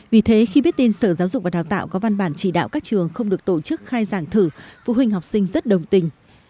vì thế khi biết tin sở giáo dục và đào tạo có văn bản chỉ đạo các trường không được tổ chức khai giảng thử phụ huynh học sinh rất đồng tình